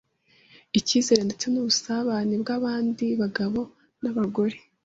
icyizere ndetse nubusabane bwabandi bagabo nabagore.